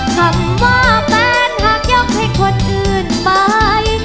คำว่าแฟนหากอยากให้คนอื่นไป